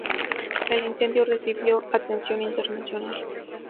El incendio recibió atención internacional.